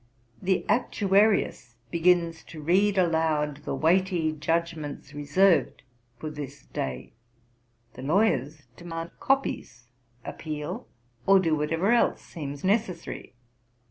The Actuarius begins to read aloud the weighty judgments reserved for this day: the lawyers demand copies, appeal, or do whatever else seems necessary.